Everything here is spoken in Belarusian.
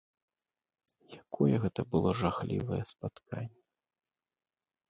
Якое гэта было жахлівае спатканне!